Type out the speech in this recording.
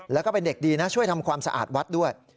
แล้วก็เป็นเด็กดีนะช่วยทำความสะอาดวัดด้วย